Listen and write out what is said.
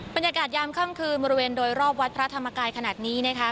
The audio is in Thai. บรรยากาศยามเข้มคืนบริเวณโดยรอบวัดพระธรรมกายขนาดนี้นะคะ